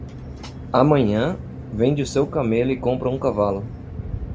Amanhã? vende o seu camelo e compra um cavalo.